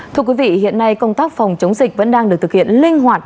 thưa quý vị hiện nay công tác phòng chống dịch vẫn đang được thực hiện linh hoạt